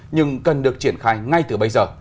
nhưng cần được triển khai ngay từ bây giờ